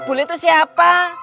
bule itu siapa